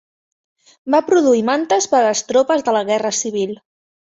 Va produir mantes per a les tropes de la Guerra Civil.